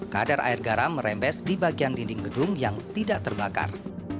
kadar air garam merembes di bagian dinding gedung yang tidak terbakar